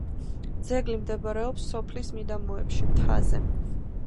ძეგლი მდებარეობს სოფლის მიდამოებში, მთაზე.